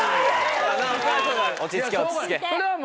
落ち着け落ち着け。